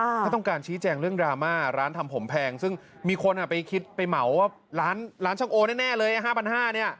ถ้าต้องการชี้แจงเรื่องดราม่าร้านทำผมแพงซึ่งมีคนไปคิดไปเหมาว่าร้านช่างโอแน่เลย๕๕๐๐เนี่ย